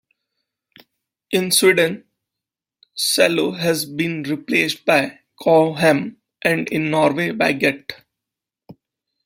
In Sweden chello has been replaced by ComHem and in Norway by Get.